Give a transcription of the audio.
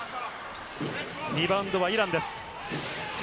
リバウンドはイランです。